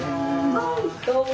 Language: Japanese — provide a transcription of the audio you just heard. はいどうも。